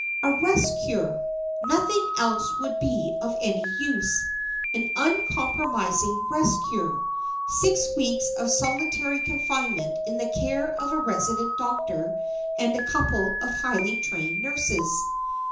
A rest cure nothing else would be of any use an uncompromising rest cure. Six weeks of solitary confinement in the care of a resident doctor and a couple of highly trained nurses.